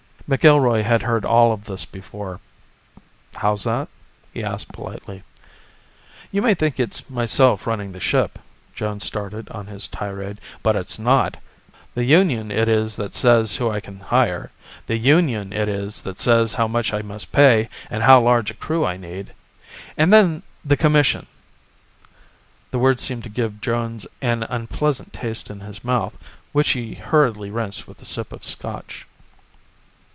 McIlroy had heard all of this before. "How's that?" he asked politely. "You may think it's myself running the ship," Jones started on his tirade, "but it's not. The union it is that says who I can hire. The union it is that says how much I must pay, and how large a crew I need. And then the Commission ..." The word seemed to give Jones an unpleasant taste in his mouth, which he hurriedly rinsed with a sip of Scotch.